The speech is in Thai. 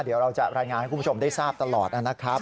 เดี๋ยวเราจะรายงานให้คุณผู้ชมได้ทราบตลอดนะครับ